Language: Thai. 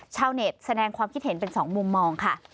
ชาวเน็ตแสดงความคิดเห็นเป็นสองมุมมองค่ะ